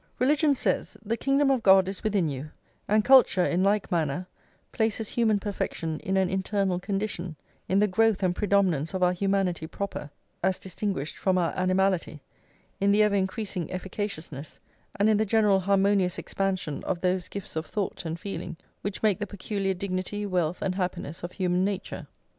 Religion says: The kingdom of God is within you; and culture, in like manner, places human perfection in an internal condition, in the growth and predominance of our humanity proper, as distinguished from our animality, in the ever increasing efficaciousness and in the general harmonious expansion of those gifts of thought and feeling which make the peculiar dignity, wealth, and happiness of human nature.